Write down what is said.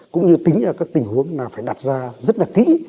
cũng như tính ra các tình huống là phải đặt ra rất là kỹ